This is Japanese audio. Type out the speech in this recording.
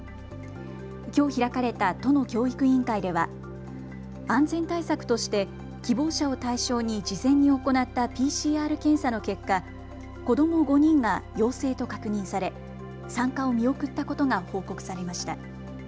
きょう開かれた都の教育委員会では安全対策として希望者を対象に事前に行ったＰＣＲ検査の結果、子ども５人が陽性と確認され参加を見送ったことが報告されました。